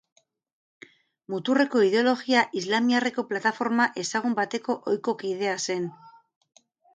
Muturreko ideologia islamiarreko plataforma ezagun bateko ohiko kidea zen.